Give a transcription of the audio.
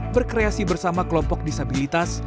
berkreasi bersama kelompok disabilitas